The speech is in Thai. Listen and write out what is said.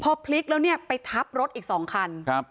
พอพลิกแล้วเนี่ยไปทับรถอีกสองคันครับ